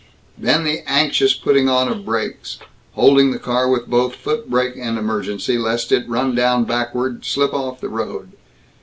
Then the anxious putting on of brakes holding the car with both foot brake and emergency, lest it run down backward, slip off the road.